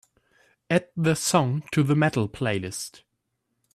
Add the song to the Metal playlist.